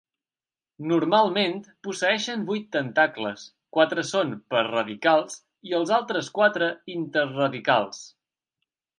Normalment posseeixen vuit tentacles; quatre són per-radicals i els altres quatre inter-radicals.